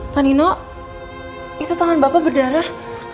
pak nino ise tangan bapak berdarah